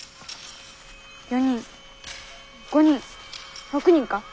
４人５人６人か？